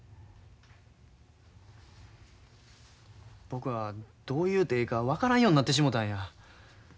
僕はどう言うてええか分からんようになってしもたんや。